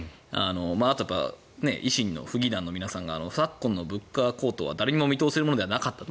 あと、維新の府議団の皆さんが昨今の物価高騰は誰にも見通せるものではなかったと。